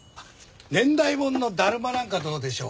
年代物のダルマなんかどうでしょう？